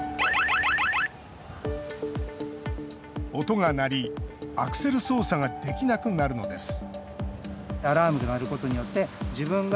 音が鳴りアクセル操作ができなくなるのです。